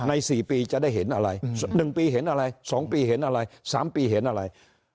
๔ปีจะได้เห็นอะไร๑ปีเห็นอะไร๒ปีเห็นอะไร๓ปีเห็นอะไร